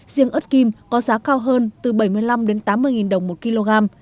riêng ớt kim có giá cao hơn từ bảy mươi năm tám mươi đồng một kg